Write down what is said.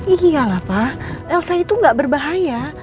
iyalah pa elsa itu gak berbahaya